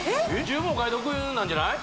十分お買い得なんじゃない？